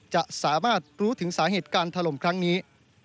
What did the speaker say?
จะสามารถรู้ถึงสาเหตุการถล่มครั้งนี้